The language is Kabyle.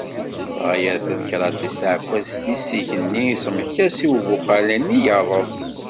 Dɣa yerfed Kratis taɛekkazt-is s igenni iṣemmek-as i ubuqal-nni yerreẓ.